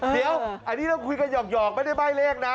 เดี๋ยวอันนี้เราคุยกันหยอกไม่ได้ใบ้เลขนะ